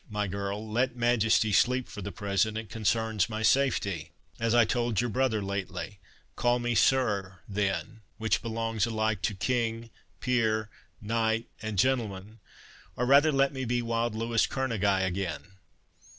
my girl, let Majesty sleep for the present—it concerns my safety, as I told your brother lately—Call me sir, then, which belongs alike to king, peer, knight, and gentleman—or rather let me be wild Louis Kerneguy again."